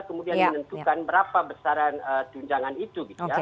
kemudian menentukan berapa besaran tunjangan itu